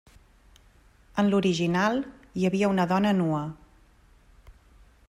En l'original hi havia una dona nua.